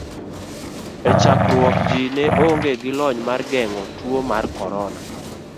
E chakruok ji ne onge gi lony mar geng'o tuo mar korona.